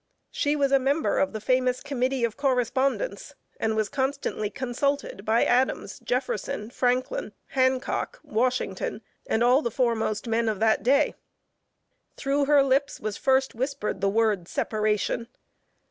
She was a member of the famous committee of correspondence, and was constantly consulted by Adams, Jefferson, Franklin, Hancock, Washington and all the foremost men of that day. Through her lips was first whispered the word, separation.